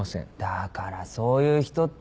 だからそういう人ってさぁ。